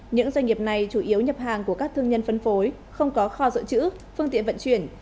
những doanh nghiệp này chủ yếu nhập hàng của các thương nhân phân phối không có kho dự trữ phương tiện vận chuyển